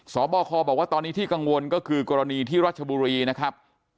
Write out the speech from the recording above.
บคบอกว่าตอนนี้ที่กังวลก็คือกรณีที่รัชบุรีนะครับ